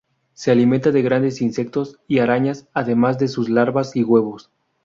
Se alimenta de grandes insectos y arañas, además de sus larvas y huevos.